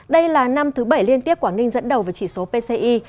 đây là năm thứ bảy liên tiếp quảng ninh dẫn đầu về chỉ số pci